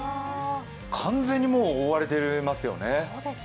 完全に覆われていますよね。